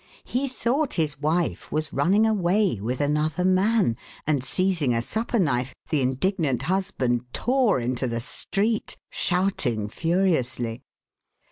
He thought his wife was running away with another man, and seizing a supper knife, the indignant husband tore into the street, shouting furiously.